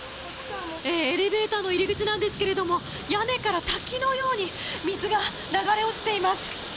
エレベーターの入り口なんですが屋根から滝のように水が流れ落ちています。